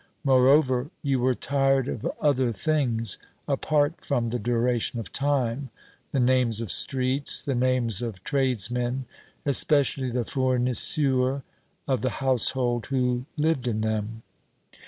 Moreover, you were tired of other things, apart from the duration of time the names of streets, the names of tradesmen, especially the fournisseurs of the household, who lived in them.